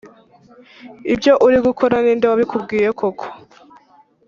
ibyo uri gukora ninde wabikubwiye koko.